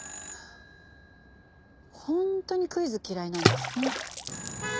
本当にクイズ嫌いなんですね。